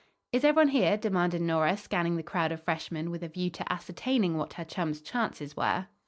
"Is everyone here?" demanded Nora, scanning the crowd of freshmen with a view to ascertaining what her chum's chances were.